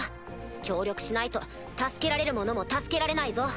協力しないと助けられる者も助けられないぞ。